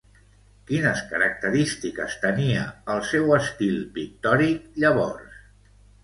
Quines característiques tenia el seu estil pictòric llavors?